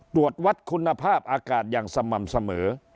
ตรวจวัดคุณภาพอากาศอย่างสม่ำเสมอ